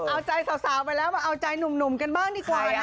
เอาใจสาวเวลาเอาใจหนุ่มกันบ้างดีกว่านะ